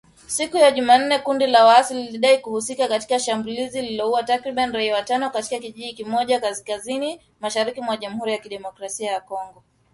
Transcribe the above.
Siku ya Jumanne kundi la waasi lilidai kuhusika na shambulizi lililoua takribani raia watano katika kijiji kimoja kaskazini mashariki mwa Jamhuri ya Kidemokrasia ya Kongo.